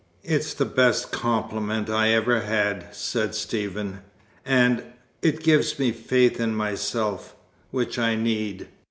"It's the best compliment I ever had," said Stephen. "And it gives me faith in myself which I need."